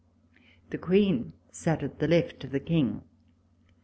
The Queen sat at the left of the King.